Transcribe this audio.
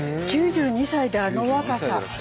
９２歳であの若さ。